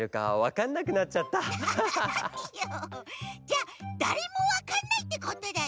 じゃあだれもわかんないってことだね。